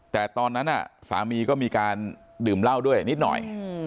แต่ตอนนั้นสามีก็มีการดื่มเหล้าด้วยนิดหน่อย